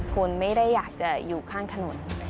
คุณไม่ได้อยากจะอยู่ข้างถนน